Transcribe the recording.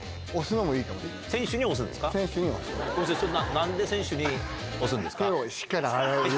何で選手に押すんですか？